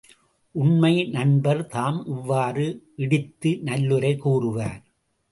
உண்மை நண்பர் தாம் இவ்வாறு இடித்து நல்லுரை கூறுவார்.